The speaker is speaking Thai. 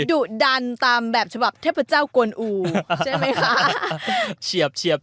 ดุดันตามแบบฉบับเทพเจ้ากวนอูใช่ไหมคะ